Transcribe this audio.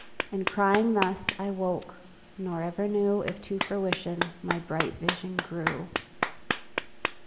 And crying thus, I woke, nor ever knew If to fruition my bright vision grew.